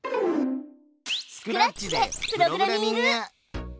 スクラッチでプログラミング！